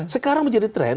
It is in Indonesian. sekarang menjadi tren